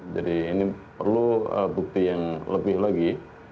jadi ini perlu bukti yang lebih lagi